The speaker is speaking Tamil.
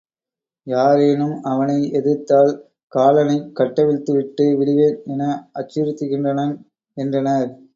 யாரேனும் அவனை எதிர்த்தால் காலனைக் கட்டவிழ்த்து விட்டு விடுவேன் என அச்சுறுத்துகின்றனன் என்றனர்.